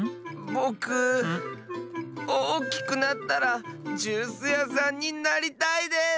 ぼくおおきくなったらジュースやさんになりたいです！